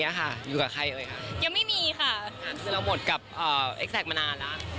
ใช่ค่ะพึ่งว่าง